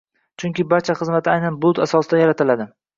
Chunki barcha xizmatlar aynan bulut asosida yaratiladi